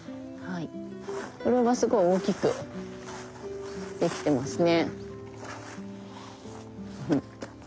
これはすごい大きく出来てますね。